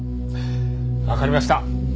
わかりました。